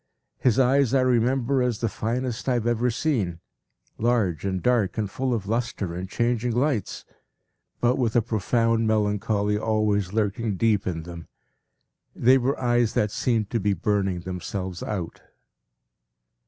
His eyes I remember as the finest I have ever seen, large and dark and full of lustre and changing lights, but with a profound melancholy always lurking deep in them. They were eyes that seemed to be burning themselves out.